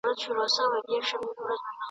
ته به ولي پر سره اور بریانېدلای !.